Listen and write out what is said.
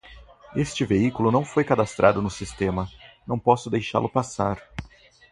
Este veículo não foi cadastrado no sistema, não posso deixá-lo passar.